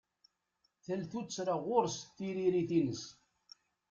Tal tuttra ɣur-s tiririt-ines.